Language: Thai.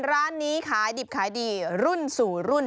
ร้านนี้ขายดิบขายดีรุ่นสู่รุ่น